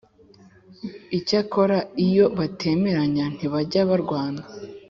Icyakora iyo batemeranya ntbajya barwana